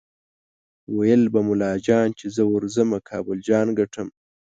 ویل به ملا جان چې زه ورځمه کابل جان ګټم